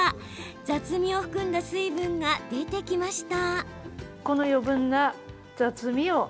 雑味を含んだ水分が出てきました。